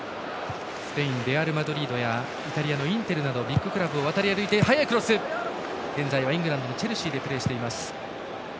スペイン、レアルマドリードやイタリアのインテルなどビッグクラブを渡り歩いて現在はイングランドのチェルシーでプレーしています。